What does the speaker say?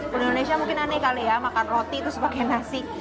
di indonesia mungkin aneh kali ya makan roti terus pakai nasi